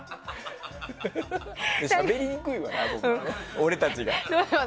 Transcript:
しゃべりにくいわ、俺たちが。